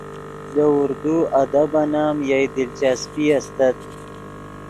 لے اردو ادبن ام یئے دلچسپی استت